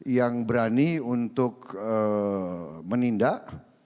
yang berani untuk menindak